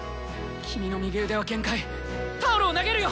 君の右腕は限界タオルを投げるよ！」。